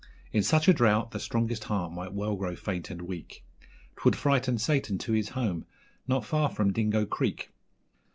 In such a drought the strongest heart might well grow faint and weak 'Twould frighten Satan to his home not far from Dingo Creek.